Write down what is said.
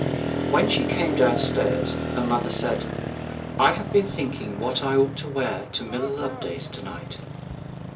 When she came downstairs her mother said, 'I have been thinking what I ought to wear to Miller Loveday's to night.'